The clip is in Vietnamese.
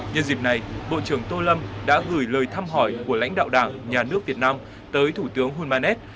nhân dịp này bộ trưởng tô lâm đã gửi lời thăm hỏi của lãnh đạo đảng nhà nước việt nam tới thủ tướng hulmanet